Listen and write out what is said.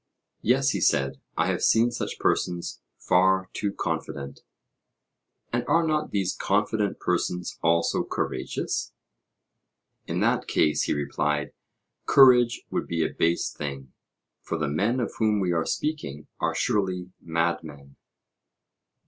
Yes, he said, I have seen such persons far too confident. And are not these confident persons also courageous? In that case, he replied, courage would be a base thing, for the men of whom we are speaking are surely madmen.